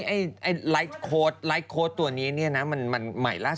เอ้อช่วยกระหนูนาอวิจารณสิมันเยอะมาก